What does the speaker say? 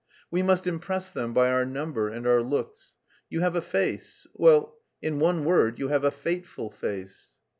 We must impress them by our number and our looks. You have a face... well, in one word, you have a fateful face."